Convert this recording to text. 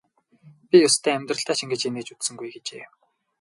Би ёстой амьдралдаа ч ингэж инээж үзсэнгүй гэжээ.